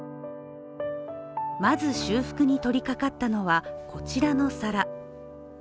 まず修復に取りかかったのはこちらの皿。